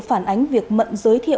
phản ánh việc mận giới thiệu có